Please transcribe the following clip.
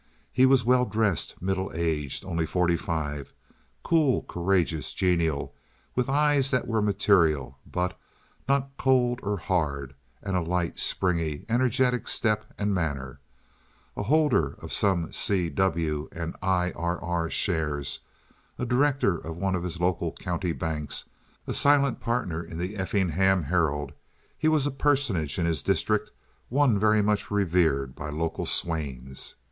He was well dressed, middle aged,—only forty five—cool, courageous, genial, with eyes that were material, but not cold or hard, and a light, springy, energetic step and manner. A holder of some C. W. & I. R.R. shares, a director of one of his local county banks, a silent partner in the Effingham Herald, he was a personage in his district, one much revered by local swains.